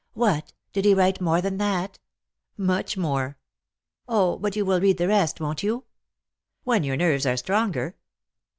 " What ! Did he write more than that ?"" Much more." " 0, but you will read the rest, won't you P "" When your nerves are stronger."